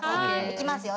いきますよ。